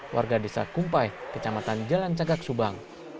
warga desa kumpai kecamatan jalan cagak subang